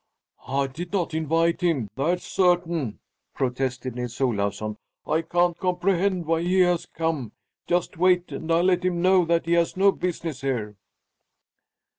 "I did not invite him, that's certain!" protested Nils Olafsson. "I can't comprehend why he has come. Just wait, and I'll let him know that he has no business here!"